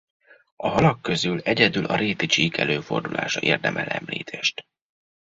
A halak közül egyedül a réti csík előfordulása érdemel említést.